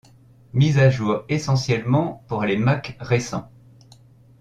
Mise à jour essentiellement pour les Mac récents.